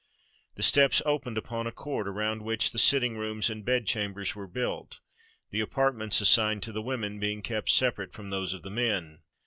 The steps opened upon a court around which the sitting rooms and bedchambers were built, the apartments assigned to the women being kept separate from those of the men.